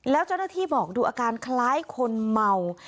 แล้วเจ้าหน้าที่บอกดูอาการคล้ายคนเมา